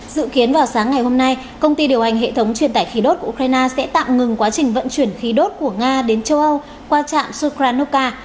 dự kiến vào sáng ngày hôm nay công ty điều hành hệ thống truyền tải khí đốt của ukraine sẽ tạm ngừng quá trình vận chuyển khí đốt của nga đến châu âu qua trạm sukranoka